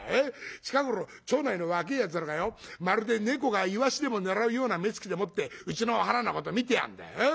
近頃町内の若えやつらがよまるで猫がイワシでも狙うような目つきでもってうちのお花のこと見てやがんだよ。